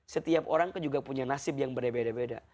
setiap orang kan juga punya nasib yang berbeda beda